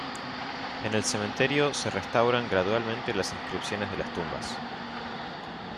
En el cementerio se restauran gradualmente las inscripciones de las tumbas.